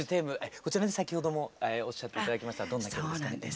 こちらね先ほどもおっしゃって頂きましたがどんな曲ですか？